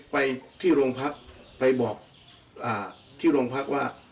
ไปที่โรงพักไปบอกที่โรงพักว่า